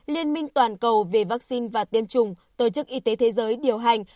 liên minh toàn cầu về vaccine và tiêm chủng tổ chức y tế thế giới điều hành